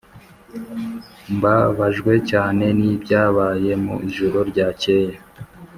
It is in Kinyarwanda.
] mbabajwe cyane nibyabaye mu ijoro ryakeye.